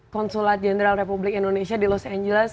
konsulat jenderal republik indonesia di los angeles